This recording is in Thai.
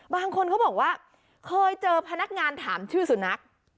บางคนเขาบอกว่าเคยเจอพนักงานถามชื่อสุนัข